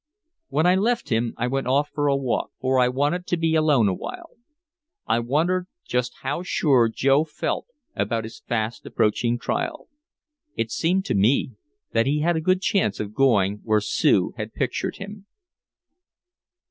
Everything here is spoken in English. When I left him I went off for a walk, for I wanted to be alone awhile. I wondered just how sure Joe felt about his fast approaching trial. It seemed to me that he had a good chance of going where Sue had pictured him.